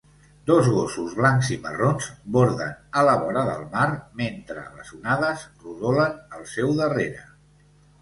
Dos gossos blancs i marrons borden a la vora del mar mentre les onades rodolen al seu darrere.